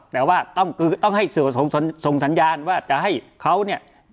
แต่ว่าต้องให้ส่งสัญญาณว่าจะให้เขาเนี่ย